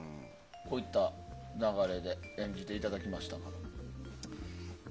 こういった流れで演じていただきました。